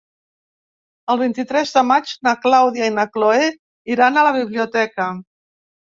El vint-i-tres de maig na Clàudia i na Cloè iran a la biblioteca.